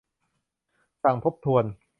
สั่งทบทวน